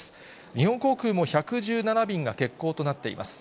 日本航空も１１７便が欠航となっています。